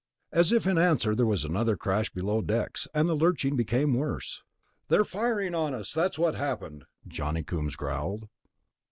As if in answer there was another crash belowdecks, and the lurching became worse. "They're firing on us, that's what happened," Johnny Coombs growled.